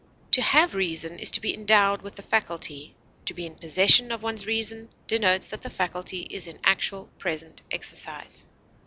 To have reason is to be endowed with the faculty; to be in possession of one's reason denotes that the faculty is in actual present exercise.